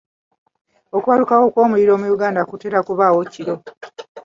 Okubalukawo kw'omuliro mu Uganda kutera kubaawo kiro.